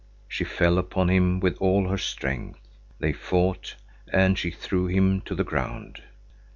She fell upon him with all her strength. They fought, and she threw him to the ground.